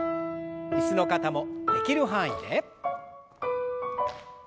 椅子の方もできる範囲で。